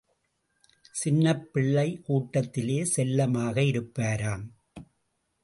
சின்னப்பிள்ளை கூட்டத்திலே செல்லமாக இருப்பாராம்.